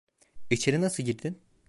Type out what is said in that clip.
İçeri nasıl girdin?